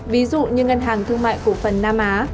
ví dụ như ngân hàng thương mại cổ phần nam á